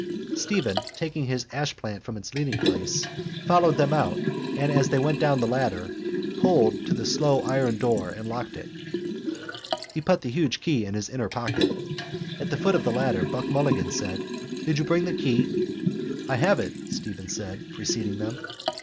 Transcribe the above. Stephen, taking his ashplant from its leaningplace, followed them out and, as they went down the ladder, pulled to the slow iron door and locked it. He put the huge key in his inner pocket. At the foot of the ladder Buck Mulligan asked: —Did you bring the key? —I have it, Stephen said, preceding them.